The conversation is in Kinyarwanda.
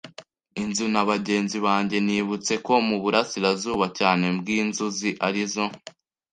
inzu na bagenzi banjye. Nibutse ko muburasirazuba cyane bwinzuzi arizo